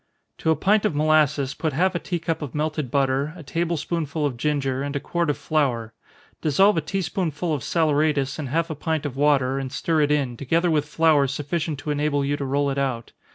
_ To a pint of molasses put half a tea cup of melted butter, a table spoonful of ginger, and a quart of flour. Dissolve a tea spoonful of saleratus in half a pint of water, and stir it in, together with flour sufficient to enable you to roll it out.